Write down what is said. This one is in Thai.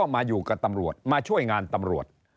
มาอยู่กับตำรวจมาช่วยงานตำรวจ